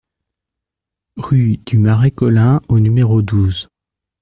Rue du Marais Colin au numéro douze